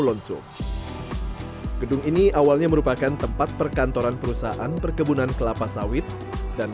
lonsu gedung ini awalnya merupakan tempat perkantoran perusahaan perkebunan kelapa sawit dan